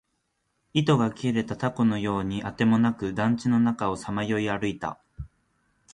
糸が切れた凧のようにあてもなく、団地の中をさまよい歩いた